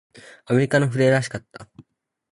アメリカの船らしかった。